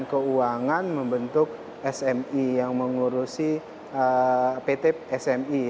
keuangan membentuk smi yang mengurusi pt smi